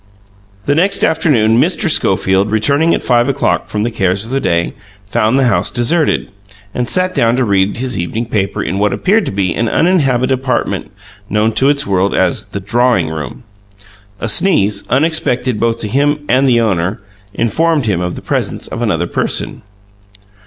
The next afternoon, Mr. Schofield, returning at five o'clock from the cares of the day, found the house deserted, and sat down to read his evening paper in what appeared to be an uninhabited apartment known to its own world as the "drawing room." A sneeze, unexpected both to him and the owner, informed him of the presence of another person.